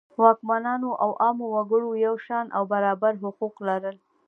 واکمنانو او عامو وګړو یو شان او برابر حقوق لرل.